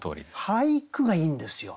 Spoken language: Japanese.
俳句がいいんですよ。